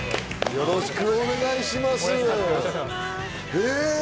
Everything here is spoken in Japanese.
よろしくお願いします。